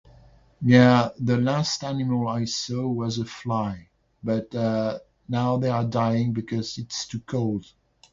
Ya, the last animal I saw was a fly. But, uh, now they are dying because it's too cold.